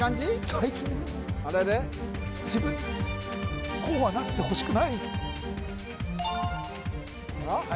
最近自分こうはなってほしくないあら？